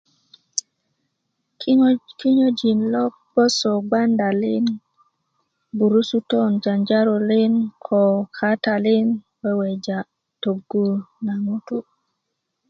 kinyo kinyöjin lo gboso gandalin burusutön janjarolin ko kaatalin weweja tögu na ŋutu'